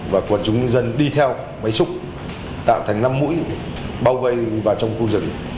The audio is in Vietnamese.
và quân chúng nhân đi theo máy xúc tạo thành năm mũi bao vây vào trong khu rừng